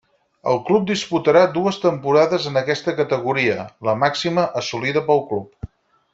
El club disputarà dues temporades en aquesta categoria, la màxima assolida pel club.